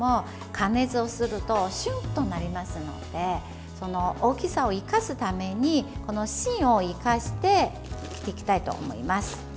加熱をするとしゅんとなりますので大きさを生かすために芯を生かして切っていきたいと思います。